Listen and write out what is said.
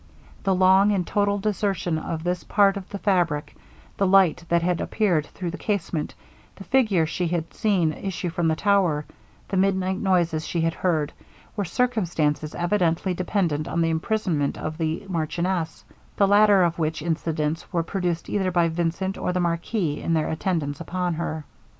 The long and total desertion of this part of the fabric the light that had appeared through the casement the figure she had seen issue from the tower the midnight noises she had heard were circumstances evidently dependant on the imprisonment of the marchioness; the latter of which incidents were produced either by Vincent, or the marquis, in their attendance upon her.